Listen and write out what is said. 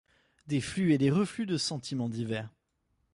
Des flux et des reflux de sentiments divers